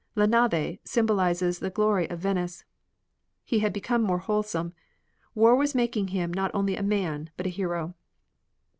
"La Nave" symbolizes the glory of Venice. He had become more wholesome. War was making him not only a man but a hero.